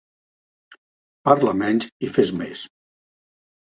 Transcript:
Parla menys i fes més!